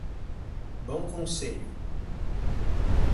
Bom Conselho